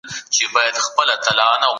په کتابتون کي د مناره ګم ګشته کتاب شته.